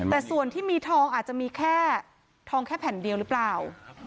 แต่ส่วนที่มีทองอาจจะมีแค่ทองแค่แผ่นเดียวหรือเปล่า